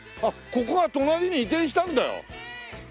あっここが隣に移転したんだよ。